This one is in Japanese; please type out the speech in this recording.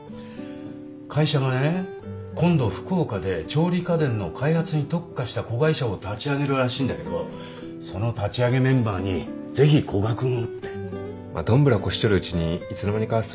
会社がね今度福岡で調理家電の開発に特化した子会社を立ち上げるらしいんだけどその立ち上げメンバーにぜひ古賀君をって。まっどんぶらこしちょるうちにいつの間にかそういうことに。